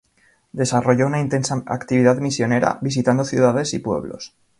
Desarrolló una intensa actividad misionera, visitando ciudades y pueblos.